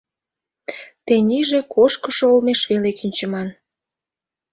Тенийже кошкышо олмеш веле кӱнчыман.